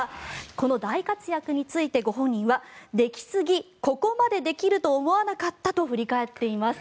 この大活躍についてご本人はできすぎここまでできると思わなかったと振り返っています。